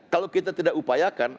kalau kita tidak upayakan